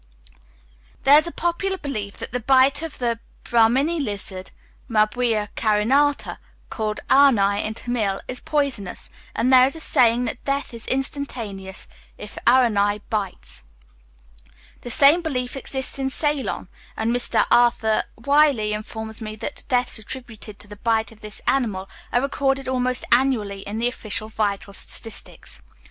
There is a popular belief that the bite of the Brahmini lizard (Mabuia carinata), called aranai in Tamil, is poisonous, and there is a saying that death is instantaneous if aranai bites. The same belief exists in Ceylon, and Mr Arthur Willey informs me that deaths attributed to the bite of this animal are recorded almost annually in the official vital statistics.